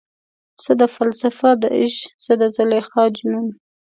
څه ده فلسفه دعشق، څه د زلیخا جنون؟